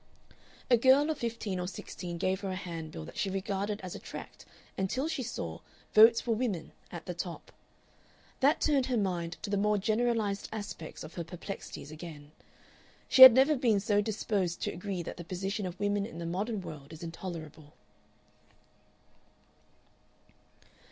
A girl of fifteen or sixteen gave her a handbill that she regarded as a tract until she saw "Votes for Women" at the top. That turned her mind to the more generalized aspects of her perplexities again. She had never been so disposed to agree that the position of women in the modern world is intolerable.